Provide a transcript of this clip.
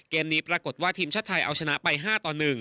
นี้ปรากฏว่าทีมชาติไทยเอาชนะไป๕ต่อ๑